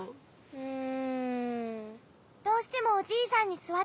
うん。